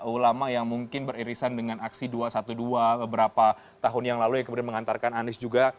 ulama yang mungkin beririsan dengan aksi dua ratus dua belas beberapa tahun yang lalu yang kemudian mengantarkan anies juga